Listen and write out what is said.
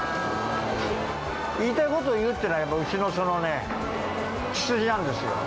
言いたいこと言うっていうのは、うちの血筋なんですよ。